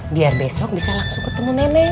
biar besok bisa langsung ketemu nenek